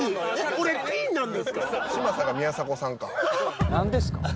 俺ピンなんですか？